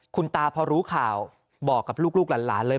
คุณตาพอรู้ข่าวบอกกับลูกหลานเลย